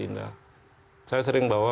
indah saya sering bawa